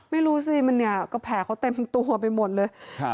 ไม่รู้สิมันเนี่ยก็แผลเขาเต็มตัวไปหมดเลย